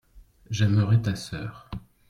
j'aimerais ta sœur.